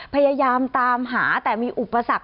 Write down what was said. พยายามตามหาแต่มีอุปสรรค